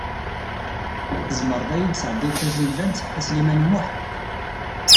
Tzemreḍ i yi-d-tesɛeddiḍ tajilbant, a Sliman U Muḥ?